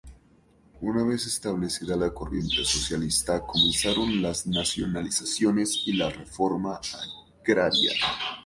Una vez establecida la corriente socialista, comenzaron las nacionalizaciones y la reforma agraria.